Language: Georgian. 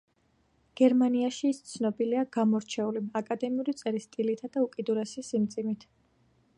გერმანიაში ის ცნობილია გამორჩეული, აკადემიური წერის სტილითა და უკიდურესი სიმძიმით.